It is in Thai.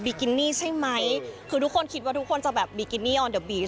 กินี่ใช่ไหมคือทุกคนคิดว่าทุกคนจะแบบบีกินี่ออนเดอร์บี